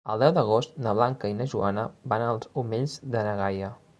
El deu d'agost na Blanca i na Joana van als Omells de na Gaia.